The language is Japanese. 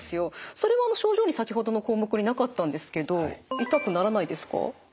それは症状に先ほどの項目になかったんですけど痛くならないですか？